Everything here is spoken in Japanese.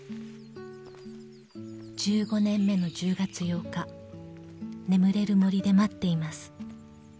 ［「１５年目の１０月８日眠れる森で待っています」］